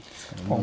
あ。